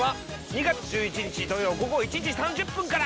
２月１１日土曜午後１時３０分から！